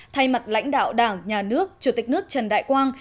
thay mặt lãnh đạo đảng nhà nước chủ tịch nước trần đại quang